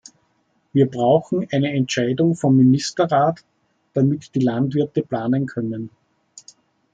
Wir brauchen eine Entscheidung vom Ministerrat, damit die Landwirte planen können.